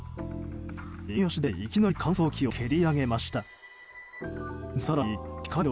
右足で、いきなり乾燥機を蹴り上げました。